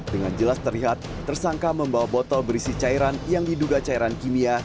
dengan jelas terlihat tersangka membawa botol berisi cairan yang diduga cairan kimia